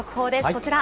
こちら。